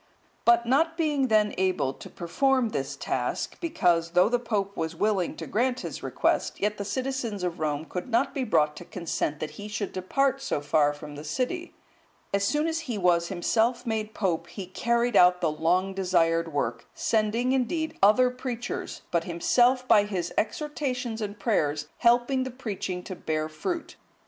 But not being then able to perform this task, because, though the Pope was willing to grant his request, yet the citizens of Rome could not be brought to consent that he should depart so far from the city, as soon as he was himself made Pope, he carried out the long desired work, sending, indeed, other preachers, but himself by his exhortations and prayers helping the preaching to bear fruit.